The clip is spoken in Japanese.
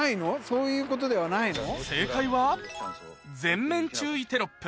そういうことではないの？